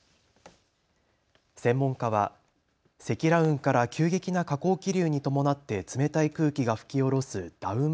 専門家は積乱雲から急激な下降気流に伴って冷たい空気が吹き降ろすダウン